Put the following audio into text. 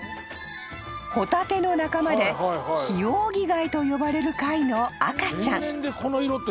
［ホタテの仲間でヒオウギガイと呼ばれる貝の赤ちゃん］